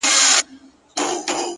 لكه د مور چي د دعا خبر په لپه كي وي.!